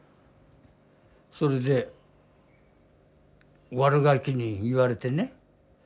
それで悪ガキに言われてね。